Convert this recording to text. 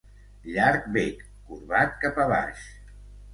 Llarg bec, corbat cap a baix.